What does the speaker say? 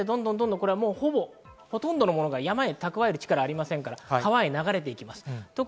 ほとんどのものが山へ蓄える力がありませんから川へ流れていきます。